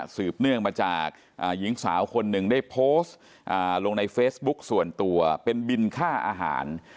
เนื่องมาจากหญิงสาวคนหนึ่งได้โพสต์ลงในเฟซบุ๊กส่วนตัวเป็นบินค่าอาหาร